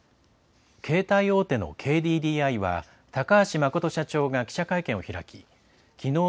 携帯大手のＫＤＤＩは高橋誠社長が記者会見を開ききのう